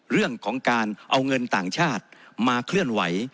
เรื่องของการเอาเงินต่างชาติมาเคลื่อนไหว